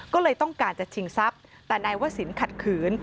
ก็เลยต้องการจะชิงทรัพย์แต่นายวศิลปขัดขืน